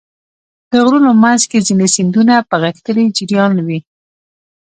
د غرونو منځ کې ځینې سیندونه په غښتلي جریان وي.